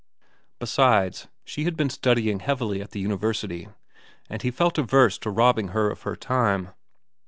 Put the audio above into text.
Besides, she had been studying heavily at the university, and he felt averse to robbing her of her time.